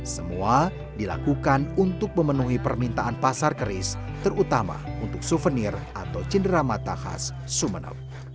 semua dilakukan untuk memenuhi permintaan pasar keris terutama untuk souvenir atau cenderamata khas sumenel